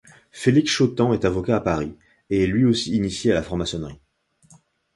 Félix Chautemps est avocat à Paris et est lui aussi initié à la franc-maçonnerie.